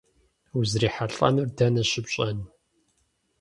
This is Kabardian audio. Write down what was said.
УзрихьэлӀэнур дэнэ щыпщӀэн?